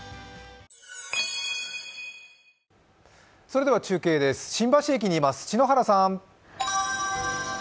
それでは中継です、新橋駅にいます篠原さん。